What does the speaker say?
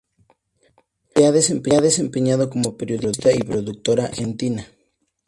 Se ha desempeñado como periodista y productora en la Argentina.